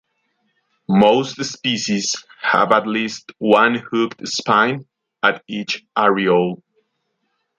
Most species have at least one hooked spine at each areole.